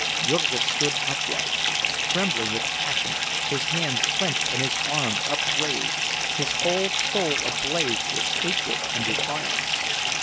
Jurgis stood upright; trembling with passion, his hands clenched and his arms upraised, his whole soul ablaze with hatred and defiance.